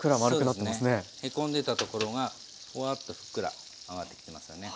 そうですねへこんでたところがほわっとふっくら上がってきてますよね。